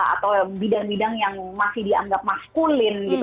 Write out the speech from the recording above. atau bidang bidang yang masih dianggap maskulin gitu